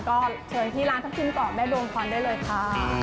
ก็เชิญที่ร้านทับชิ้นกรอบแม่ดวงคลอนด้วยเลยค่ะ